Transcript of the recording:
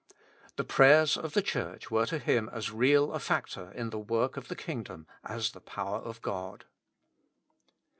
The prayers of the Church were to him as real a factor in the work of the kingdom, as the power of God.